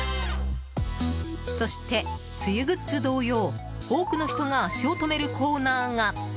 そして、梅雨グッズ同様多くの人が足を止めるコーナーが。